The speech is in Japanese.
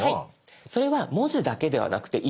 それは文字だけではなくていろんなもの